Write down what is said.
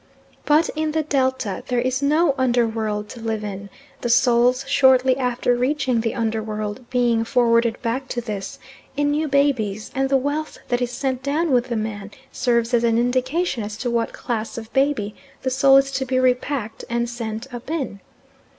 But in the Delta there is no under world to live in, the souls shortly after reaching the under world being forwarded back to this, in new babies, and the wealth that is sent down with a man serves as an indication as to what class of baby the soul is to be repacked and sent up in.